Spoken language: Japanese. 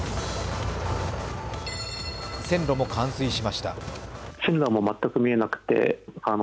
線路も冠水しました。